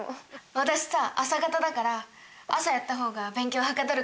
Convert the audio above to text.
私さ朝型だから朝やった方が勉強はかどるかなって思って。